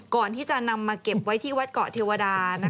ก่อนที่จะนำมาเก็บไว้ที่วัดเกาะเทวดา